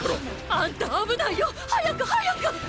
アンタ危ないよ。早く早く。